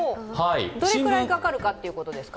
どれくらいかかるかっていうことですか？